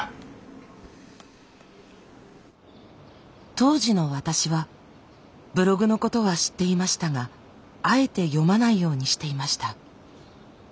当時の私はブログのことは知っていましたがあえて読まないようにしていました。